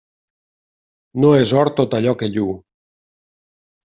No és or tot allò que lluu.